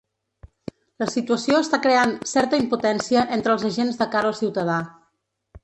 La situació està creant ‘certa impotència entre els agents de cara al ciutadà’.